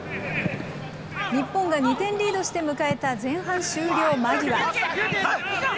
日本が２点リードして迎えた前半終了間際。